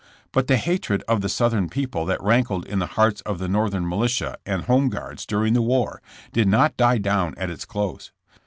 But the hatred of the Southern people that rankled in the hearts of the Northern militia and home guards during the war did not die down at its close.